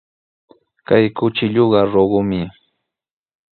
Kay kuchilluqa luqtumi.